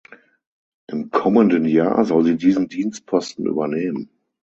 Im kommenden Jahr soll sie diesen Dienstposten übernehmen.